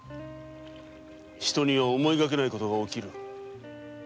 人には思いがけない事が起きる。